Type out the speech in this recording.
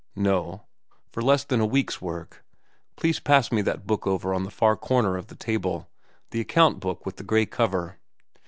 "No, for less than a week's work. Please pass me that book over on the far corner of the table, the account book with the gray cover."